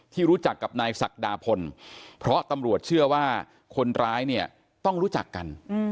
ที่รู้จักกับนายศักดาพลเพราะตำรวจเชื่อว่าคนร้ายเนี่ยต้องรู้จักกัน